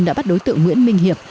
đã bắt đối tượng nguyễn minh hiệp